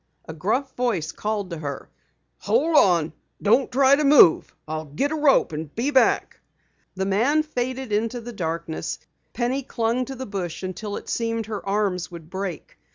A gruff voice called to her: "Hold on! Don't try to move! I'll get a rope and be back!" The man faded back into the darkness. Penny clung to the bush until it seemed her arms would break.